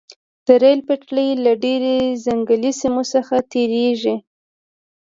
د ریل پټلۍ له ډیرو ځنګلي سیمو څخه تیریږي